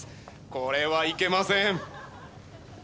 これはいけません。